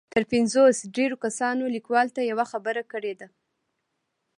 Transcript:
تر پنځوس ډېرو کسانو ليکوال ته يوه خبره کړې ده.